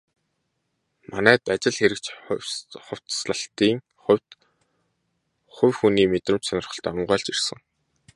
Манайд ажил хэрэгч хувцаслалтын хувьд хувь хүний мэдрэмж, сонирхол давамгайлж ирсэн.